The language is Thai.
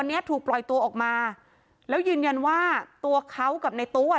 เนี้ยถูกปล่อยตัวออกมาแล้วยืนยันว่าตัวเขากับในตู้อ่ะ